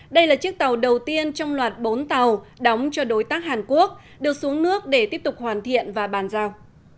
đây là chiếc tàu đầu tiên trong loạt bốn tàu đóng cho đối tác hàn quốc được xuống nước để tiếp tục hoàn thiện và bàn giao